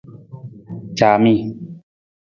Caami.